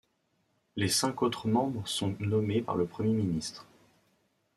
Les cinq autres membres sont nommés par le Premier ministre.